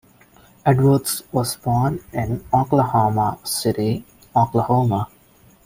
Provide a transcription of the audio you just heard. Edwards was born in Oklahoma City, Oklahoma.